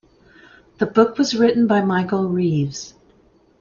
The book was written by Michael Reaves.